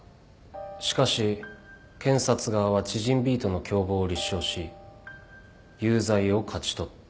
しかし検察側は知人Ｂとの共謀を立証し有罪を勝ち取った。